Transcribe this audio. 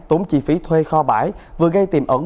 tốn chi phí thuê kho bãi vừa gây tiềm ẩn